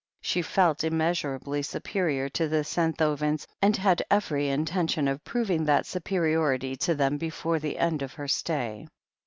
She felt immeasurably superior to the Senthovens, and had every intention of proving that superiority to them be fore the end of her stay.